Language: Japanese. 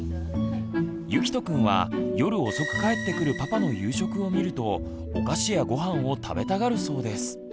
ゆきとくんは夜遅く帰ってくるパパの夕食を見るとお菓子やごはんを食べたがるそうです。